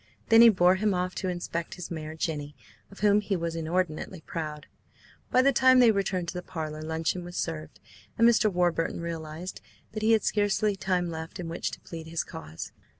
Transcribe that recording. Then he bore him off to inspect his mare, Jenny, of whom he was inordinately proud. By the time they returned to the parlour luncheon was served, and Mr. Warburton realised that he had scarcely any time left in which to plead his cause.